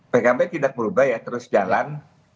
pkb tidak berubah ya terus jalan